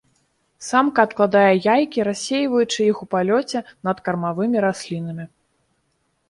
Самка адкладае яйкі рассейваючы іх у палёце над кармавымі раслінамі.